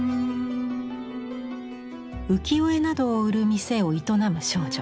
浮世絵などを売る店を営む少女。